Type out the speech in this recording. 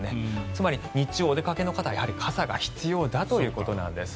つまり日中お出かけの方は傘が必要だということです。